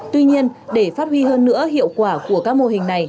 tuy nhiên để phát huy hơn nữa hiệu quả của các mô hình này